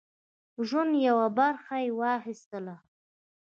ژوند یوه برخه یې واخیستله.